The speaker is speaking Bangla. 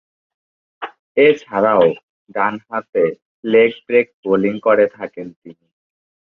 এছাড়াও, ডানহাতে লেগ ব্রেক বোলিং করে থাকেন তিনি।